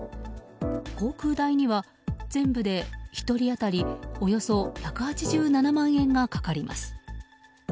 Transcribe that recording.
航空代には全部で、１人当たりおよそ１８７万円がかかります。